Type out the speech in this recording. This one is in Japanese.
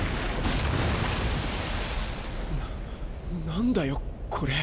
ななんだよこれ！